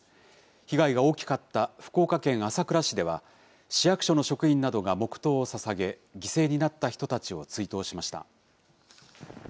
被害が大きかった福岡県朝倉市では、市役所の職員などが黙とうをささげ、犠牲になった人たちを追悼しました。